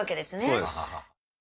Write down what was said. そうです。